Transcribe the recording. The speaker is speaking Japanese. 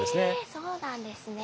そうなんですね。